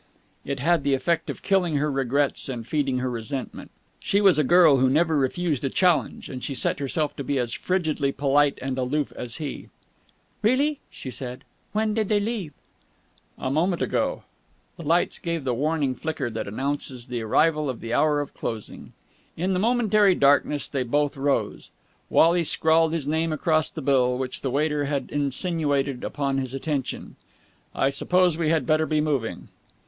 It had the effect of killing her regrets and feeding her resentment. She was a girl who never refused a challenge, and she set herself to be as frigidly polite and aloof as he. "Really?" she said. "When did they leave?" "A moment ago." The lights gave the warning flicker that announces the arrival of the hour of closing. In the momentary darkness they both rose. Wally scrawled his name across the bill which the waiter had insinuated upon his attention. "I suppose we had better be moving?"